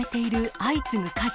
相次ぐ火事。